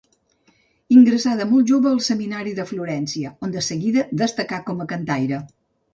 Ingressà de molt jove al seminari de Florència, on de seguida destacà com a cantaire.